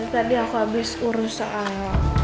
tadi aku abis urus soal